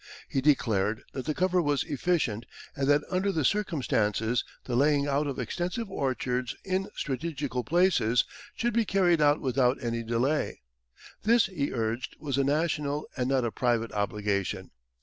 He declared that the cover was efficient and that under the circumstances the laying out of extensive orchards in strategical places should be carried out without any delay. This, he urged, was a national and not a private obligation.